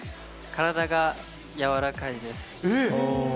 体がやわらかい。